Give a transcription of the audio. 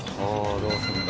どうするんだ？